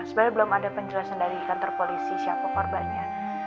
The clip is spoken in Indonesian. sebenarnya belum ada penjelasan dari kantor polisi siapa korbannya